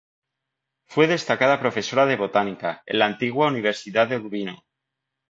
Fue destacada profesora de botánica, en la antigua "Universidad de Urbino".